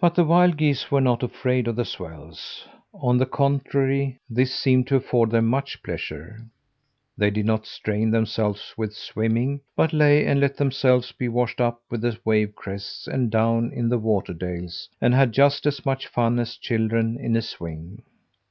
But the wild geese were not afraid of the swells. On the contrary, this seemed to afford them much pleasure. They did not strain themselves with swimming, but lay and let themselves be washed up with the wave crests, and down in the water dales, and had just as much fun as children in a swing.